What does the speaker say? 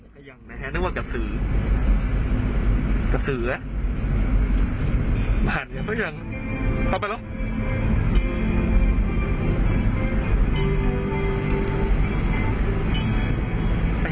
ก็ยังไหมฮะนึกว่ากระสือกระสือแหละหันอย่างเท่าอย่างเข้าไปแล้ว